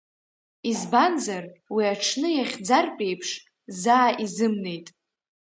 Избанзар, уи аҽны иахьӡартә еиԥш, заа изымнеит.